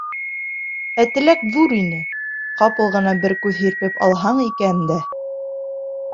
Ә теләк ҙур ине, ҡапыл ғына бер күҙ һирпеп алһаң икән дә.